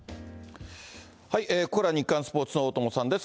ここからは日刊スポーツの大友さんです。